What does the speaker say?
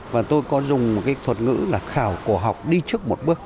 và tôi có dùng một cái thuật ngữ là khảo cổ học đi trước một bước